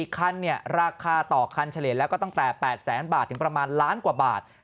คันราคาต่อคันเฉลี่ยแล้วก็ตั้งแต่๘แสนบาทถึงประมาณล้านกว่าบาท